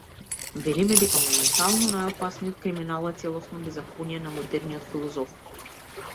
Велиме дека моментално најопасниот криминал е целосното беззаконие на модерниот философ.